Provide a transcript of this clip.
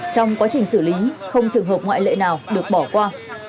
trong quá trình xử lý không trường hợp ngoại lệ nào được bỏ qua